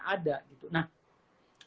sejarah itu bukan hanya persoalan masa lalu